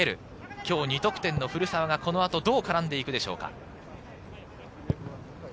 今日２得点の古澤がこの後、どう絡んでいくでしょうか。